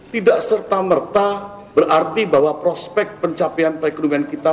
tidak serta merta berarti bahwa prospek pencapaian perekonomian kita